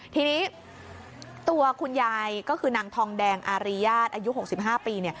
ทีนี้ตัวคุณยายก็คือนางทองแดงอารีญาติอายุ๖๕ปี